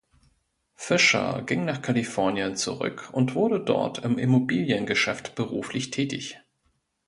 Fisher ging nach Kalifornien zurück und wurde dort im Immobiliengeschäft beruflich tätig.